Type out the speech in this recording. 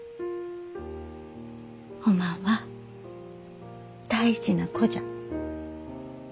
おまんは大事な子じゃ。